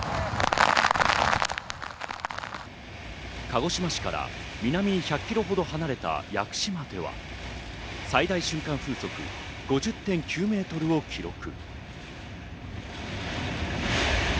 鹿児島市から南に１００キロほど離れた屋久島では最大瞬間風速５０．９メートルを記録。